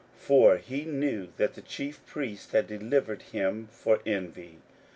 41:015:010 For he knew that the chief priests had delivered him for envy.